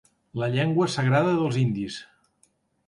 La llengua sagrada dels indis.